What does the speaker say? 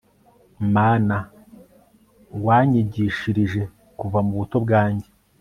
mana, wanyiyigishirije kuva mu buto bwanjye